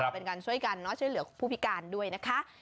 เป็นการช่วยกันเนอะช่วยเหลือผู้พิการด้วยนะคะ